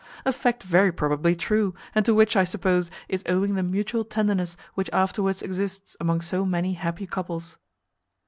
A fact very probably true, and to which, I suppose, is owing the mutual tenderness which afterwards exists among so many happy couples.